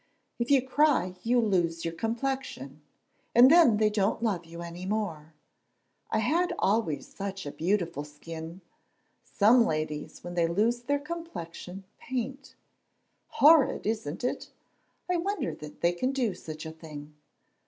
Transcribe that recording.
"If you cry you lose your complexion, and then they don't love you any more. I had always such a beautiful skin. Some ladies when they lose their complexion paint. Horrid, isn't it? I wonder they can do such a thing."